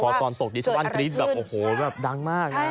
ขอตอนตกที่ชาวบ้านกรี๊บแบบโอ้โหแบบดังมากนะ